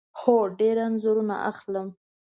هو، ډیر انځورونه اخلم